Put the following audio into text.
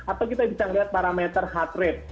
atau kita bisa melihat parameter heart rate